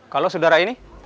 kalau saudara ini